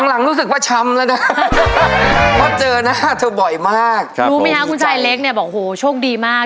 ครับผมดีใจนะครับดูมั้ยฮะคุณชายเล็กส์เนี่ยบอกโหโหโชคดีมาก